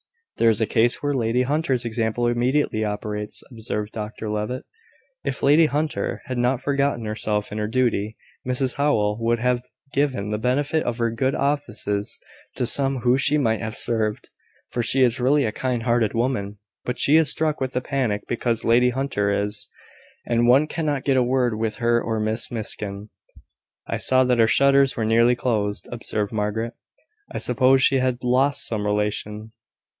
"There is a case where Lady Hunter's example immediately operates," observed Dr Levitt. "If Lady Hunter had not forgotten herself in her duty, Mrs Howell would have given the benefit of her good offices to some whom she might have served; for she is really a kind hearted woman: but she is struck with a panic because Lady Hunter is, and one cannot get a word with her or Miss Miskin." "I saw that her shutters were nearly closed," observed Margaret. "I supposed she had lost some relation."